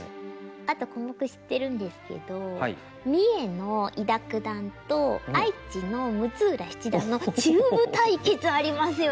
あとコモク知ってるんですけど三重の伊田九段と愛知の六浦七段の中部対決ありますよね。